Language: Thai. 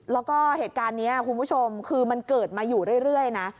แล้วก็เหตุการณ์นี้คุณผู้ชมคือมันเกิดมาอยู่เรื่อยนะ